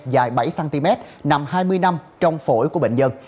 dài bảy cm nằm hai mươi năm trong phổi của bệnh dân